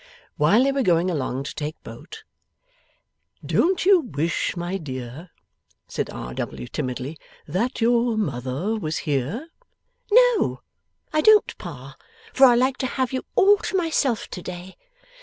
While they were going along to take boat, 'Don't you wish, my dear,' said R. W., timidly, 'that your mother was here?' 'No, I don't, Pa, for I like to have you all to myself to day.